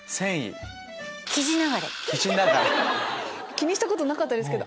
気にしたことなかったですけど。